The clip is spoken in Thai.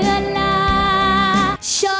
เออ